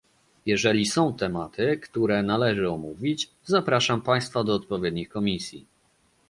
Jeżeli są tematy, które należy omówić, zapraszam Państwa do odpowiednich komisji